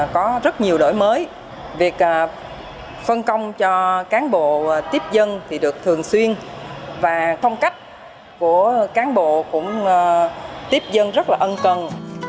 có rất nhiều đổi mới việc phân công cho cán bộ tiếp dân thì được thường xuyên và phong cách của cán bộ cũng tiếp dân rất là ân cần